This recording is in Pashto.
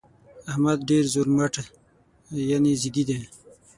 احمد ډېر زورمټ يانې ضدي دى.